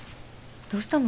どうしたの？